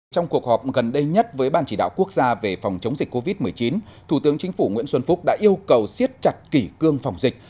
trong cuộc họp gần đây nhất với ban chỉ đạo quốc gia về phòng chống dịch covid một mươi chín thủ tướng chính phủ nguyễn xuân phúc đã yêu cầu siết chặt kỷ cương phòng dịch